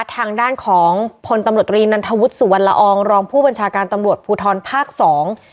ทางด้านของพลตำรวจรีนันทวุฒิสุวรรณละอองรองผู้บัญชาการตำรวจภูทรภาคสอง